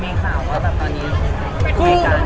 มีข่าวว่าตอนนี้